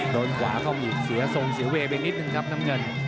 โดนขวาเข้าอีกเสียทรงเสียเวย์ไปนิดนึงครับน้ำเงิน